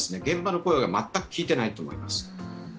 現場の声を全く聞いてないと思います。